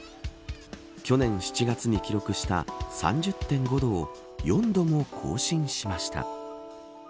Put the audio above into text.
去年７月に記録した３０．５度を４度も更新しました